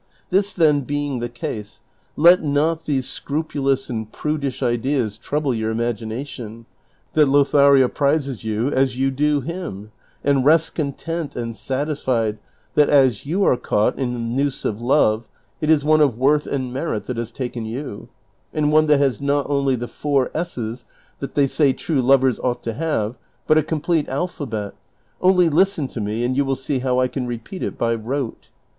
This, then, being the case, let not these scru pulous and prudish ideas trouble your imagination, but be assured that Lothario prizes you as you do him, and rest content and satisfied that as you are caught in the noose of love it is one of worth and merit that has taken you, and one that has not only the four S's that they say true lovers ought to have,^ but a complete alphabet; only listen to me and you will see how I can r epeat it by rote.